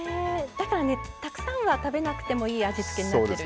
だからねたくさんは食べなくてもいい味付けになってるんですね。